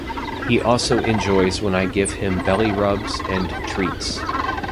He also enjoys when I give him belly rubs and treats.